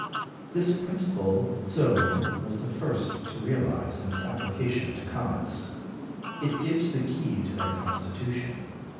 This principle Zöllner was the first to realise in its application to comets. It gives the key to their constitution.